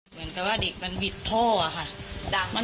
เหมือนกับว่าเด็กมันวิทย์ทออะค่ะ